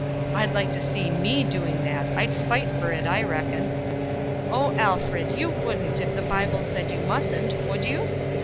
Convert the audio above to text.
I'd like to see me doing that. I'd fight for it, I reckon." "Oh, Alfred! you wouldn't, if the Bible said you mustn't, would you?"